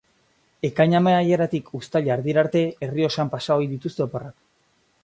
Ekaina amaieratik Uztaila erdira arte Errioxan pasa ohi dituzte oporrak.